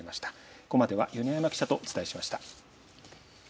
ここまでは米山記者とお伝えしました。